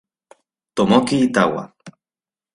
Tomoki Iwata